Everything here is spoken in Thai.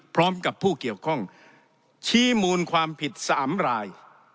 พร้อมกับผู้เกี่ยวข้องชี้มูลความผิด๓ราย